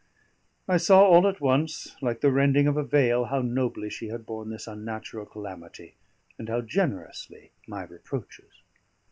I saw all at once, like the rending of a veil, how nobly she had borne this unnatural calamity, and how generously my reproaches.